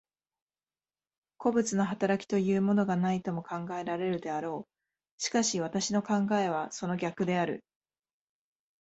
個物の働きというものがないとも考えられるであろう。しかし私の考えはその逆である。